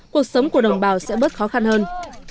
cuộc sống của đồng bào sẽ bớt khó khăn hơn